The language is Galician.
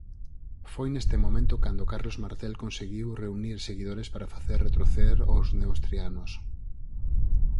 Foi neste momento cando Carlos Martel conseguiu reunir seguidores para facer retroceder aos neustrianos.